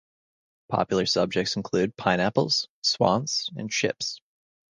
Popular subjects include pineapples, swans, and ships.